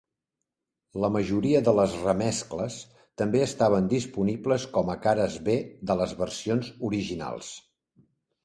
La majoria de les remescles també estaven disponibles com a cares B de les versions originals.